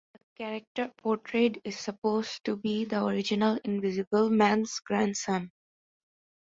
The character portrayed is supposed to be the original Invisible Man's grandson.